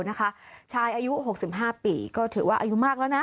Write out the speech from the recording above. นะคะชายอายุ๖๕ปีก็ถือว่าอายุมากแล้วนะ